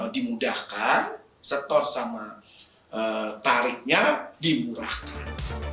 dimudahkan setor sama tarifnya dimurahkan